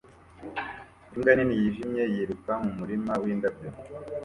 Imbwa nini yijimye yiruka mu murima windabyo